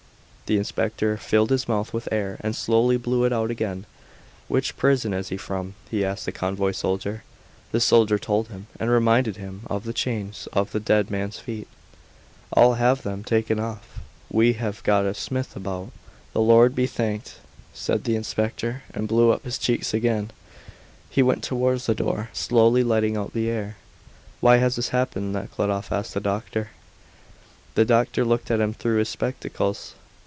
The inspector filled his mouth with air and slowly blew it out again. "Which prison is he from?" he asked the convoy soldier. The soldier told him, and reminded him of the chains on the dead man's feet. "I'll have them taken off; we have got a smith about, the Lord be thanked," said the inspector, and blew up his cheeks again; he went towards the door, slowly letting out the air. "Why has this happened?" Nekhludoff asked the doctor. The doctor looked at him through his spectacles.